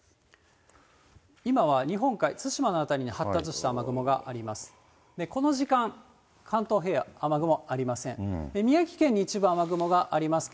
今は日本海、対馬の辺りに発達した雨雲があります。